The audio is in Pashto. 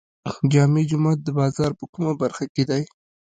جامع جومات د بازار په کومه برخه کې دی؟